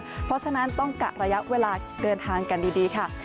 เพราะฉะนั้นต้องกะระยะเวลาเดินทางกันดีค่ะ